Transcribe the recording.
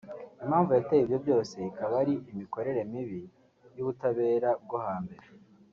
Impamvu yateye ibyo byose ikaba ari imikorere mibi y’ubutabera bwo hambere